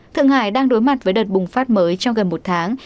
thượng hải đang đối mặt với đợt bùng phát mới trong gần một tháng